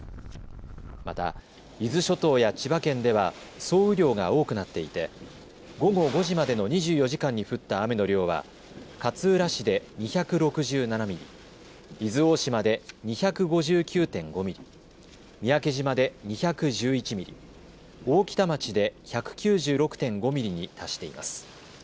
また、伊豆諸島や千葉県では総雨量が多くなっていて午後５時までの２４時間に降った雨の量は勝浦市で２６７ミリ、伊豆大島で２５９．５ミリ、三宅島で２１１ミリ、大多喜町で１９６．５ミリに達しています。